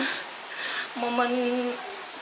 saya akan mencari alat alat yang lebih baik